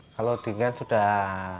kalau tinggi kan sudah